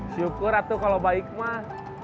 syukur ratu kalau baik mah